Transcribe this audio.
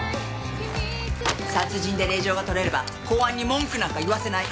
殺人で令状が取れれば公安に文句なんか言わせない。